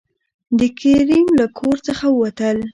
د کريم له کور څخه ووتل.